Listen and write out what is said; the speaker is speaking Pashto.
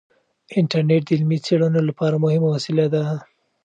انټرنیټ د علمي څیړنو لپاره مهمه وسیله ده.